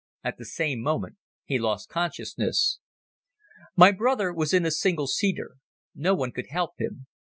At the same moment he lost consciousness. My brother was in a single seater. No one could help him.